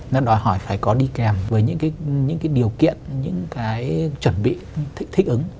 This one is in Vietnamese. nó đòi hỏi phải có đi kèm với những cái điều kiện những cái chuẩn bị thích ứng